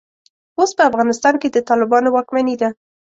اوس په افغانستان کې د طالبانو واکمني ده.